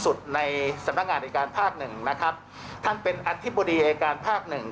ในสำนักงานอายการภาคหนึ่งนะครับท่านเป็นอธิบดีอายการภาคหนึ่ง